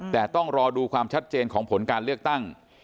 แต่ต้องรอดูความชัดเจนของผลการเลือกตั้ง